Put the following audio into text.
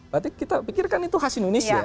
berarti kita pikirkan itu khas indonesia